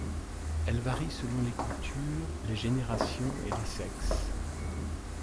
Elles varient selon les cultures, les générations et les sexes.